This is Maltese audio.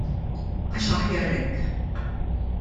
Għax aħjar hekk.